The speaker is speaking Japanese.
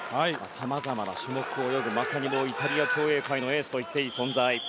様々な種目を泳ぐまさにイタリア競泳界のエースと言ってもいい存在。